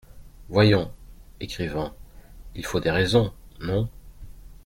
Voyons ! écrivant "Il faut des raisons…" non.